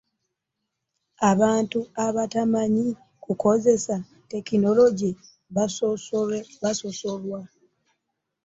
abantu abatamanyi kukozesa tekinologiya basosolwa.